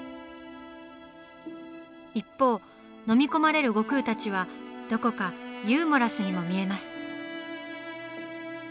一方のみ込まれる悟空たちはどこかユーモラスにも見えます。